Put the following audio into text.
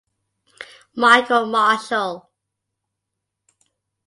Michael Marshall.